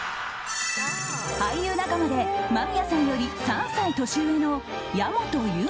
［俳優仲間で間宮さんより３歳年上の］